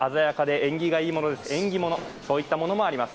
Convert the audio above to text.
縁起物といったものもあります。